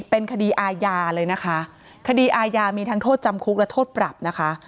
เป็นคดีอาญาเลยนะคะคดีอาญามีทั้งโทษจำคุกและโทษปรับนะคะ